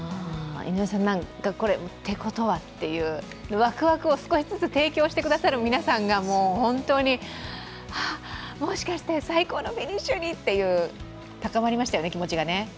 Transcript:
井上さん、ってことはっていうわくわくを少しずつ提供してくださる皆さんが本当にもしかして、最高のフィニッシュという高まりましたよね、気持ちがね。